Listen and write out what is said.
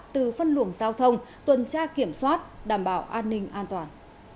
từ phân luồng giao thông tuần tra kiểm soát đảm bảo an ninh an toàn